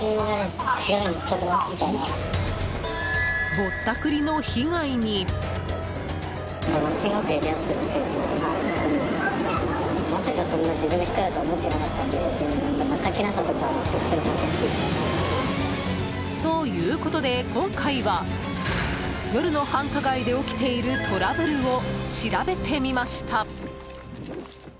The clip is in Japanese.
ぼったくりの被害に。ということで、今回は夜の繁華街で起きているトラブルを調べてみました。